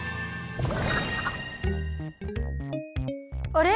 あれ？